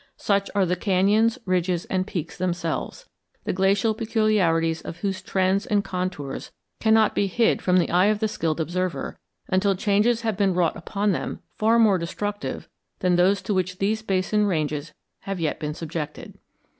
Such are the cañons, ridges, and peaks themselves, the glacial peculiarities of whose trends and contours cannot be hid from the eye of the skilled observer until changes have been wrought upon them far more destructive than those to which these basin ranges have yet been subjected.